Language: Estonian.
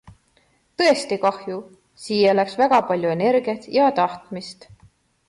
Tõesti kahju - siia läks väga palju energiat ja tahtmist.